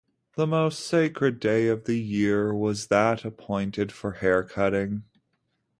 The most sacred day of the year was that appointed for haircutting.